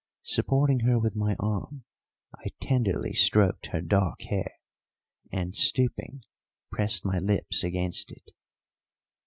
Supporting her with my arm, I tenderly stroked her dark hair, and, stooping, pressed my lips against it.